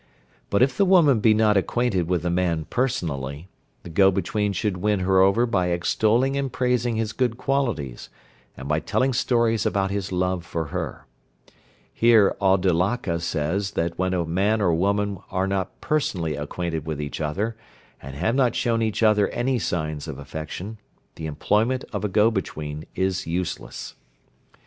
But if the woman be not acquainted with the man personally, the go between should win her over by extolling and praising his good qualities, and by telling stories about his love for her. Here Auddalaka says that when a man or woman are not personally acquainted with each other, and have not shown each other any signs of affection, the employment of a go between is useless.